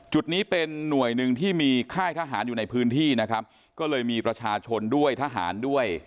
จุดนี้เป็นหน่วยหนึ่งที่มีค่ายทหารอยู่ในพื้นที่นะครับก็เลยมีประชาชนด้วยทหารด้วย